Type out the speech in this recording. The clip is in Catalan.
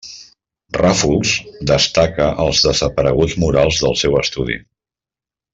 Ràfols destaca els desapareguts murals del seu estudi.